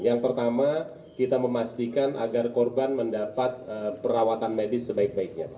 yang pertama kita memastikan agar korban mendapat perawatan medis sebaik baiknya